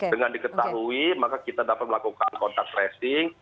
dengan diketahui maka kita dapat melakukan kontak tracing